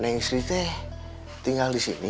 istri saya tinggal disini